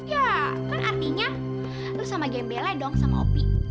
ya kan artinya lu sama gembelnya dong sama opi